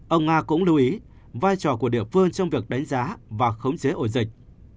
ông nga cũng lưu ý vai trò của địa phương trong việc đánh giá và khống chế ổ dịch